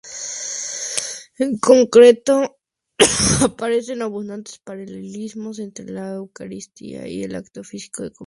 En concreto, aparecen abundantes paralelismos entre la Eucaristía y el acto físico de comer.